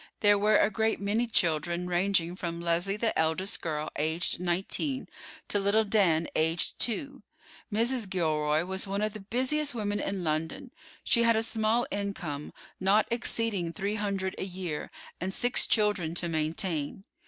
There were a great many children, ranging from Leslie the eldest girl, aged nineteen, to little Dan, aged two. Mrs. Gilroy was one of the busiest women in London. She had a small income, not exceeding three hundred a year, and six children to maintain.